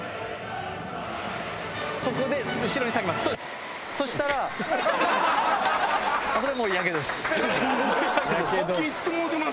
そこで後ろに下げます。